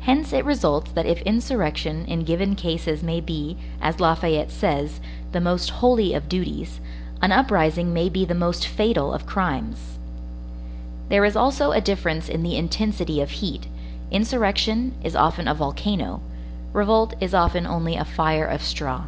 Hence it results that if insurrection in given cases may be, as Lafayette says, the most holy of duties, an uprising may be the most fatal of crimes. There is also a difference in the intensity of heat; insurrection is often a volcano, revolt is often only a fire of straw.